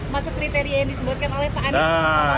masuk kriteria yang disebutkan oleh pak anies